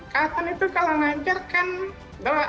keatan itu kalau ngajar kan doa aku